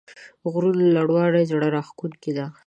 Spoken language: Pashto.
د غرونو لوړوالی زړه راښکونکی دی.